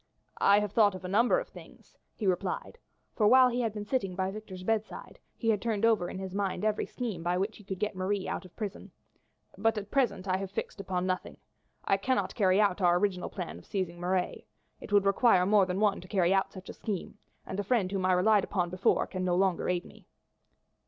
"I have thought of a number of things," he replied, for while he had been sitting by Victor's bedside he had turned over in his mind every scheme by which he could get Marie out of prison, "but at present I have fixed upon nothing. I cannot carry out our original plan of seizing Marat. It would require more than one to carry out such a scheme, and the friend whom I relied upon before can no longer aid me."